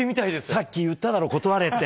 さっき言っただろ、断れって。